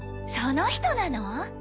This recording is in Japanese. その人なの？